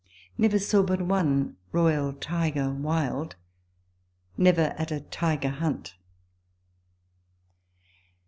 Never saw but one royal tiger wild. Never at a tiger hunt.